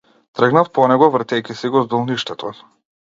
Тргнав по него, вртејќи си го здолништето.